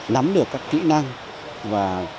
nắm được các kỹ năng và